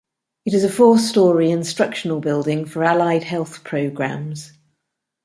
It is a four-story, instructional building for allied health programs.